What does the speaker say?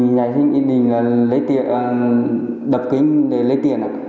ngày sinh yên bình là lấy tiền đập kính để lấy tiền